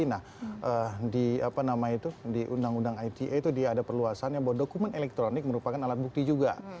nah di undang undang ite itu ada perluasan bahwa dokumen elektronik merupakan alat bukti juga